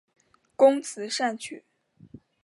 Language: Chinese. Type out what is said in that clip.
工词善曲。